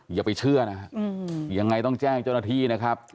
อย่าไปเชื่อนะฮะยังไงต้องแจ้งเจ้าหน้าที่นะครับ